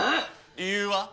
理由は？